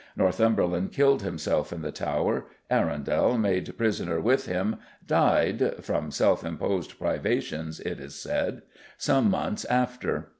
Northumberland killed himself in the Tower; Arundel, made prisoner with him, died from self imposed privations, it is said some months after.